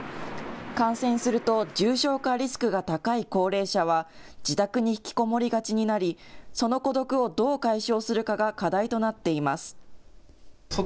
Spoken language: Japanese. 感染すると重症化リスクが高い高齢者は自宅に引きこもりがちになり、その孤独をどう解消するかが課題となっています。